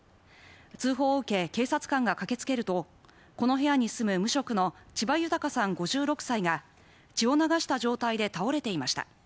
通報を受け、警察官が駆けつけるとこの部屋に住む無職の千葉豊さん５６歳が血を流した状態で倒れていました。